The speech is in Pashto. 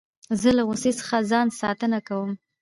زه له غوسې څخه ځان ساتنه کوم.